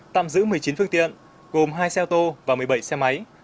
tạm giữ một mươi chín phương tiện gồm hai xe ô tô và một mươi bảy xe máy